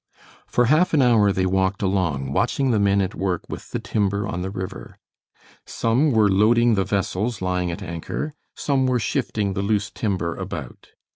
For half an hour they walked along, watching the men at work with the timber on the river. Some were loading the vessels lying at anchor, some were shifting the loose timber about.